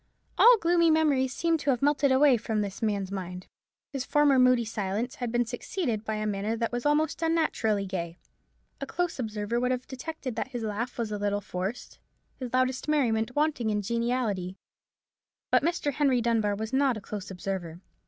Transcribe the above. All gloomy memories seemed to have melted away from this man's mind. His former moody silence had been succeeded by a manner that was almost unnaturally gay. A close observer would have detected that his laugh was a little forced, his loudest merriment wanting in geniality: but Henry Dunbar was not a close observer.